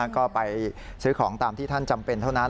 ก็ไปซื้อของตามที่ท่านจำเป็นเท่านั้น